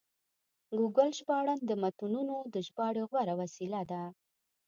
ګوګل ژباړن د متنونو د ژباړې غوره وسیله ده.